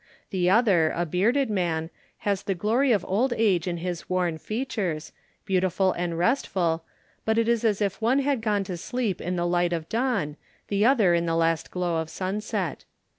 The other, a bearded man, has the glory of old age in his worn features, beautiful and restful, but it is as if one had gone to sleep in the light of dawn, the other in the last glow of sunset.